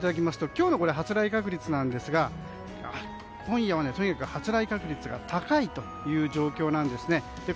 今日の発雷確率なんですが今夜はとにかく発雷確率が高いという状況なんですね。